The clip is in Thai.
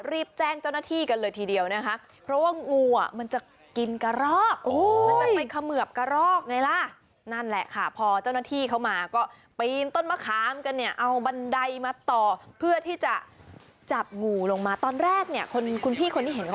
รีบแจ้งเจ้าหน้าที่กันเลยทีเดียวนะฮะเพราะว่างูอ่ะมันจะกินกระรอก